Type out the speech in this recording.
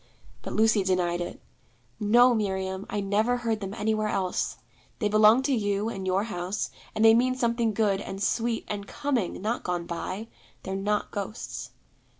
But Lucy denied it. 'No, Miriam, I never heard them anywhere else. They belong to you and your house, and they mean something good, and sweet, and coming, not gone by. They're not ghosts.'